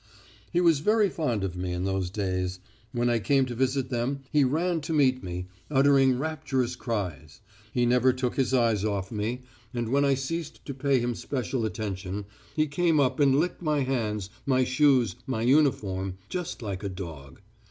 "He was very fond of me in those days. When I came to visit them he ran to meet me, uttering rapturous cries. He never took his eyes off me, and when I ceased to pay him special attention he came up and licked my hands, my shoes, my uniform, just like a dog.